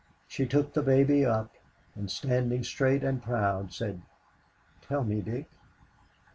She took the baby up, and standing straight and proud, said, "Tell me, Dick."